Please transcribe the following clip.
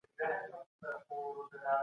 بهرنۍ پالیسي بې له اصولو نه چلېږي.